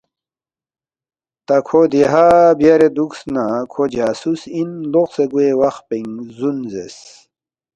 تا کھو دیہا بیارے دُوکس نہ کھو جاسُوس اِن لوقسے گوے وخ پِنگ زوُن“ زیرس